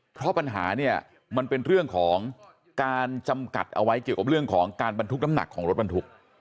เพราะปัญหาเนี่ยมันเป็นเรื่องของการจำกัดเอาไว้เกี่ยวกับเรื่องของการบรรทุกน้ำหนักของรถบรรทุก